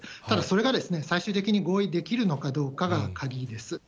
ただ、それが最終的に合意できるのかどうかが鍵です。